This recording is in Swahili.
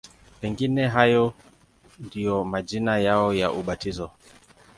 Pengine hayo ndiyo majina yao ya ubatizo.